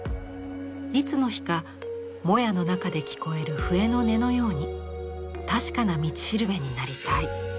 いつの日かもやの中で聞こえる笛の音のように確かな道しるべになりたい。